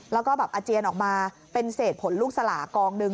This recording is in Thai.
แล้วก็แบบอาเจียนออกมาเป็นเศษผลลูกสลากองหนึ่ง